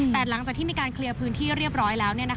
แต่หลังจากที่มีการเคลียร์พื้นที่เรียบร้อยแล้ว